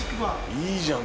◆いいじゃん。